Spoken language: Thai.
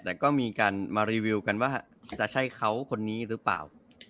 แต่ก็มีการมารีวิวกันว่าจะใช่เขาคนนี้หรือเปล่า